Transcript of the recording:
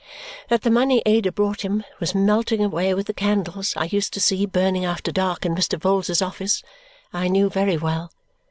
That the money Ada brought him was melting away with the candles I used to see burning after dark in Mr. Vholes's office I knew very well.